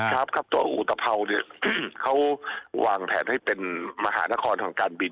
ครับครับตัวอุตภัวเนี่ยเขาวางแผนให้เป็นมหานครทางการบิน